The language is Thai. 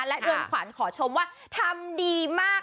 และด่วนขวานขอชมว่าทำดีมาก